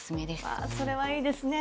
それはいいですね。